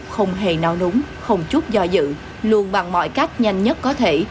không hề náo núng không chút do dự luôn bằng mọi cách nhanh nhất có thể